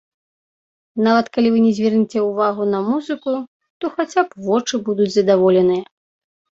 Нават калі вы не звернеце ўвагу на музыку, то хаця б вочы будуць задаволеныя.